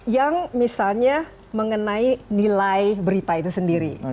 yang misalnya mengenai nilai berita itu sendiri